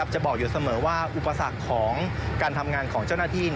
จะบอกอยู่เสมอว่าอุปสรรคของการทำงานของเจ้าหน้าที่